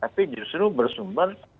tapi justru bersumber